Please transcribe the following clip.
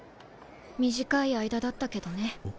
短い間だったけどね。